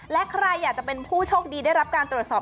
และใครอยากจะเป็นผู้โชคดีได้รับการตรวจสอบ